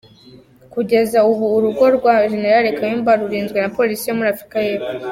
Kugeza ubu urugo rwa General Kayumba rurinzwe na Polisi yo muri Afrika y’epfo.